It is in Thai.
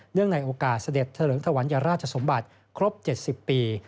ในโอกาสเสด็จเถลิงถวัญราชสมบัติครบ๗๐ปี